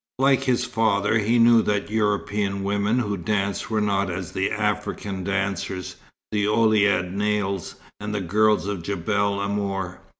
Like his father, he knew that European women who danced were not as the African dancers, the Ouled Naïls and the girls of Djebel Amour.